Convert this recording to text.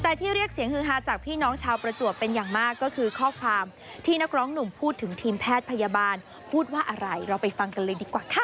แต่ที่เรียกเสียงฮือฮาจากพี่น้องชาวประจวบเป็นอย่างมากก็คือข้อความที่นักร้องหนุ่มพูดถึงทีมแพทย์พยาบาลพูดว่าอะไรเราไปฟังกันเลยดีกว่าค่ะ